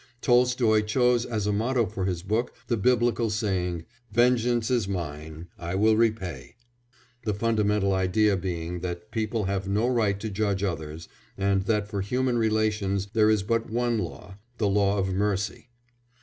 Tolstoy chose as a motto for his book the biblical saying: "Vengeance is mine, I will repay," the fundamental idea being that people have no right to judge others, and that for human relations there is but one law the law of mercy.